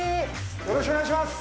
よろしくお願いします。